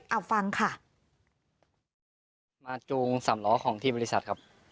เอาฟังค่ะมาจูงสามล้อของที่บริษัทครับ